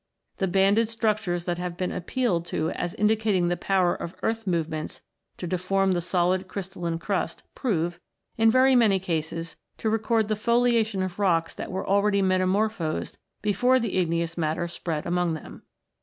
The banded structures that have been ap pealed to as indicating the power of earth move ments to deform the solid crystalline crust prove, in very many cases, to record the foliation of rocks that were already metamorphosed before the igneous matter spread among them.